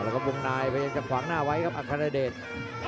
แล้วก็มุมนายไปจากขวางหน้าไว้ครับอัครเดชน์